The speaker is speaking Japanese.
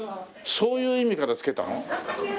そういう意味から付けたの？